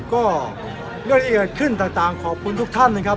ก็เรื่องที่จะขึ้นต่างต่างขอบคุณทุกท่านนะครับ